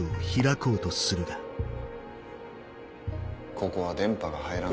ここは電波が入らない。